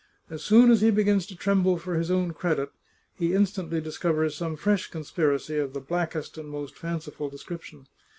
As soon as he begins to tremble for his own credit, he instantly discovers some fresh conspiracy of the blackest and most fanciful description.